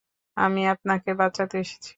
আমি আপনাকে বাঁচাতে এসেছি!